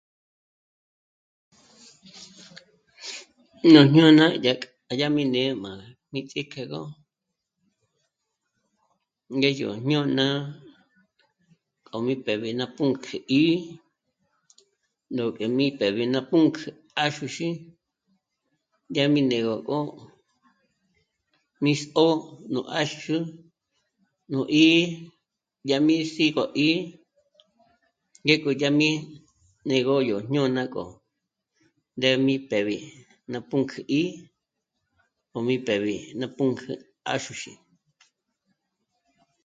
Nú jñôna dyà k... dyà mí né'e má mí ts'ík'egö néjyo jñôna k'o mí pèb'i ná pǔnk'ü 'í'i, nú k'é'e mí pèb'i ná pǔnk'ü 'àxuxí, dyá mi né'egö gó mìx'ó nú 'àxuxí, nú 'í'i yá mi sígo 'í'i ngék'o dyà mí né'egö yó jñônak'o ndé mi pèb'i ná pǔnk'ü 'í'i ó mí pèb'i ná pǔnkjü 'àxuxí